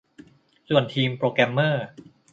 ส่วนทีมโปรแกรมเมอร์